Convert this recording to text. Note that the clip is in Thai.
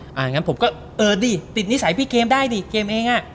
อย่างนั้นผมก็เออดิติดนิสัยพี่เกมได้ดิเกมเองอ่ะ